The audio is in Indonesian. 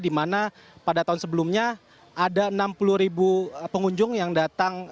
dimana pada tahun sebelumnya ada enam puluh pengunjung yang datang ke sini